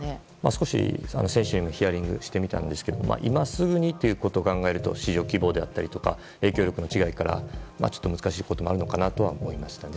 少し、選手にもヒアリングしてみたんですけども今すぐにということを考えると市場規模であったりとか影響力の違いからちょっと難しいこともあるのかなと思いました。